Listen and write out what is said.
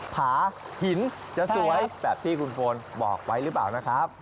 ผาหินจะสวยแบบที่คุณโฟนบอกไว้หรือเปล่านะครับ